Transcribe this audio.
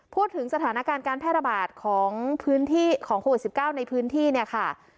พูดถึงสถานการณ์การแพร่ระบาดของพื้นที่ของโควิด๑๙ในพื้นที่เนี่ยค่ะ